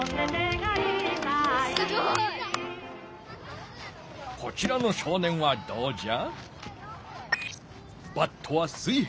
すごい！こちらの少年はどうじゃ？